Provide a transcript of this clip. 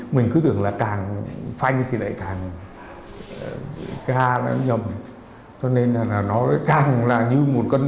mình cứ tưởng là càng phanh thì càng ga nó nhầm